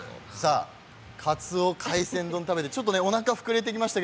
海鮮丼を食べておなかが膨れてきました。